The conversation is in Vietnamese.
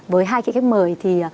với hai cái khách mời thì